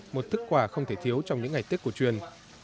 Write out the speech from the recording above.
một thức quả không thể thiếu trong những ngày tết của truyền